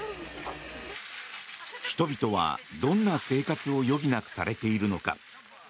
人々は、どんな生活を余儀なくされているのか。